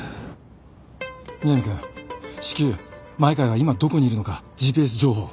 南君至急前川が今どこにいるのかＧＰＳ情報を。